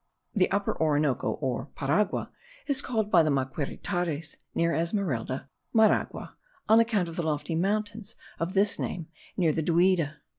The Upper Orinoco, or Paragua, is called by the Maquiritares (near Esmeralda) Maraguaca, on account of the lofty mountains of this name near Duida.